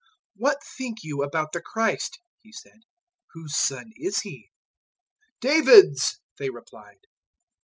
022:042 "What think you about the Christ," He said, "whose son is He?" "David's," they replied.